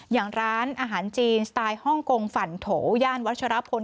อย่างร้านอาหารจีนสไตล์ฮ่องกงฝั่นโถย่านวัชรพล